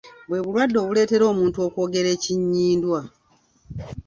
Bwe bulwadde obuleetera omuntu okwogeza ekinnyindwa.